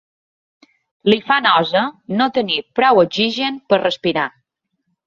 Li fa nosa no tenir prou oxigen per respirar.